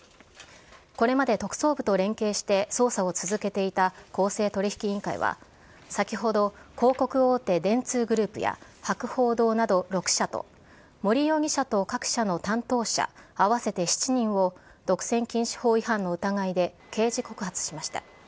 これまで特捜部と連携して捜査を続けていた公正取引委員会は、先ほど広告大手、電通グループや、博報堂など６社と、森容疑者と各社の担当者合わせて７人を、独占禁止法違反の疑いで刑事告発しました。